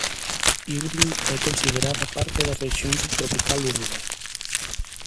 Irving é considerada parte da rexión subtropical húmida.